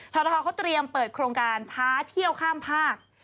ททเขาเตรียมเปิดโครงการท้าเที่ยวข้ามภาค